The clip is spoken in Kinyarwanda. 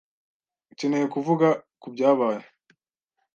Ukeneye kuvuga kubyabaye?